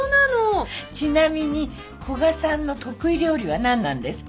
ちなみに古賀さんの得意料理は何なんですか？